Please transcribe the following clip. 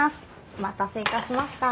お待たせいたしました。